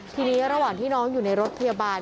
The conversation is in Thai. ทีนี้ระหว่างที่น้องอยู่ในรถพยาบาล